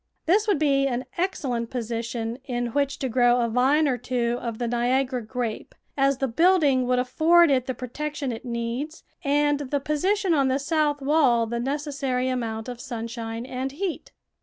This would be an excellent position in which to grow a vine or t^vo of the Niagara grape, as the building would afford it the protection it needs and the position on the south wall the necessary amount of sunshine and heat.